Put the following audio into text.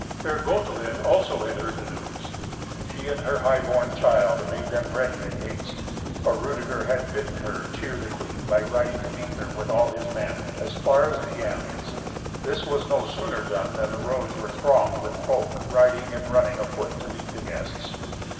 Fair Gotelind also had heard the news. She and her high born child made them ready in haste, for Rudeger had bidden her cheer the queen by riding to meet her with all his men, as far as the Enns. This was no sooner done than the roads were thronged with folk riding and running afoot to meet the guests.